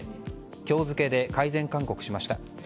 今日付で改善勧告しました。